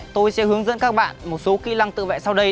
tôi sẽ hướng dẫn các bạn một số kỹ lăng tự vệ sau đây